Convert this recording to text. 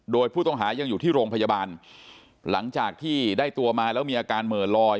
โดยผู้ต้องหายังอยู่ที่โรงพยาบาลหลังจากที่ได้ตัวมาแล้วมีอาการเหม่อลอย